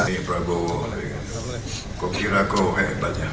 ini prabowo kok kira kok hebatnya